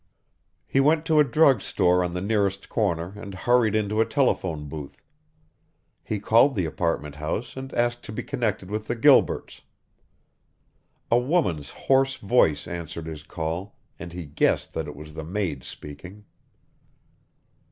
He went to a drug store on the nearest corner and hurried into a telephone booth. He called the apartment house and asked to be connected with the Gilberts. A woman's hoarse voice answered his call, and he guessed that it was the maid speaking.